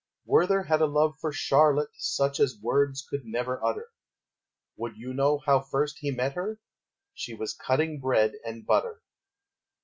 Werther had a love for Charlotte Such as words could never utter; Would you know how first he met her? She was cutting bread and butter.